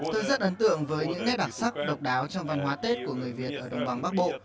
tôi rất ấn tượng với những nét đặc sắc độc đáo trong văn hóa tết của người việt ở đồng bằng bắc bộ